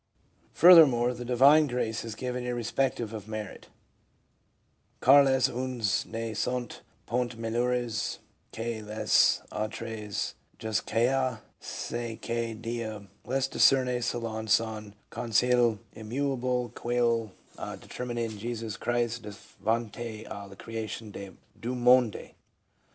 ,} Furthermore the divine grace is given irrespective of merit: "Car les uns ne sont point meilleurs que les autres, jusqu'a ce que Dieu les discerne selon son conseil immuable quHl a determine en JSsus Christ devant la criation du monde."